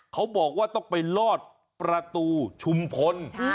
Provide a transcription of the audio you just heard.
เขาบอกว่าต้องไปลอดประตูชุมพล